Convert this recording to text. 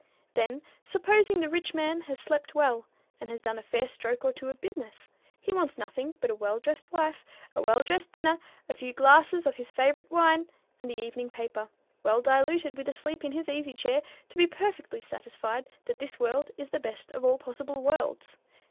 Then supposing the rich man has slept well, and has done a fair stroke or two of business, he wants nothing but a well dressed wife, a well dressed dinner, a few glasses of his favorite wine, and the evening paper, well diluted with a sleep in his easy chair, to be perfectly satisfied that this world is the best of all possible worlds.